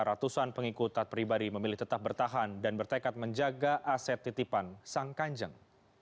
ratusan pengikut taat pribadi memilih tetap bertahan dan bertekad menjaga aset titipan sang kanjeng